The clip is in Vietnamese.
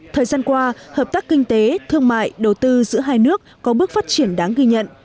thời gian qua hợp tác kinh tế thương mại đầu tư giữa hai nước có bước phát triển đáng ghi nhận